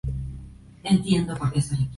Will Wright nació en Atlanta, Georgia.